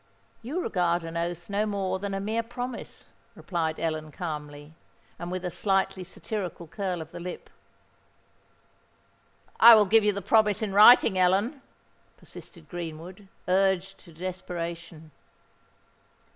"You regard an oath no more than a mere promise," replied Ellen, calmly, and with a slightly satirical curl of the lip. "I will give you the promise in writing, Ellen," persisted Greenwood, urged to desperation.